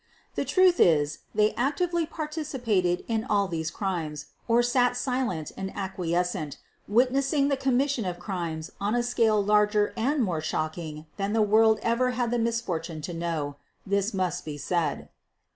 The truth is they actively participated in all these crimes, or sat silent and acquiescent, witnessing the commission of crimes on a scale larger and more shocking than the world ever had the misfortune to know. This must be said."